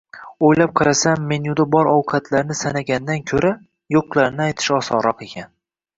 Oʻylab qarasam, menyuda bor ovqatlarni sanagandan koʻra, yoʻqlarini aytish osonroq ekan.